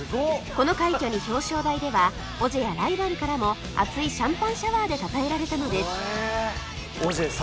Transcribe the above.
この快挙に表彰台ではオジェやライバルからも熱いシャンパンシャワーでたたえられたのです！